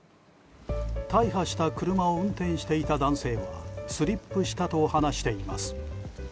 大破した車を運転していた男性がスリップしたと話しています。